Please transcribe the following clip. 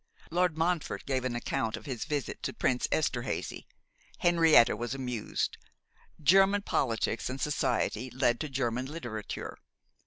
Lord Montfort gave an account of his visit to Prince Esterhazy. Henrietta was amused. German politics and society led to German literature.